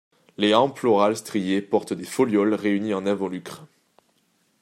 Les hampes florales striées portent des folioles réunies en involucres.